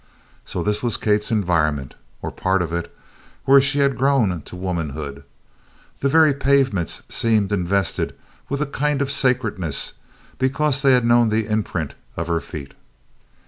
So this was Kate's environment, or a part of it where she had grown to womanhood. The very pavements seemed invested with a kind of sacredness because they had known the imprint of her feet.